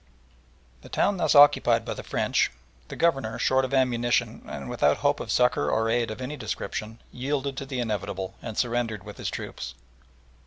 The town thus occupied by the French, the Governor, short of ammunition, and without hope of succour or aid of any description, yielded to the inevitable and surrendered with his troops.